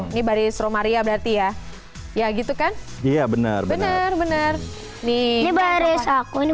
ini baris romaria berarti ya ya gitu kan iya benar benar nih baris aku ini